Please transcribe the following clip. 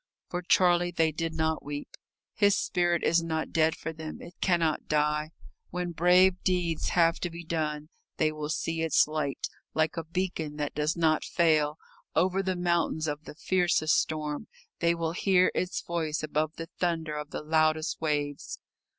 For Charlie they did not weep. His spirit is not dead for them it cannot die. When brave deeds have to be done, they will see its light, like a beacon that does not fail, over the mountains of the fiercest storm; they will hear its voice above the thunder of the loudest waves.